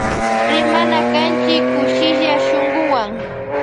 Rimana kanchi kushilla shunkuwan.